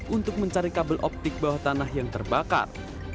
untuk mencari kabel optik bawah tanah yang terbakar